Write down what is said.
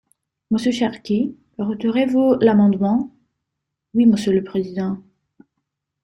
Monsieur Cherki, retirez-vous l’amendement ? Oui, monsieur le président.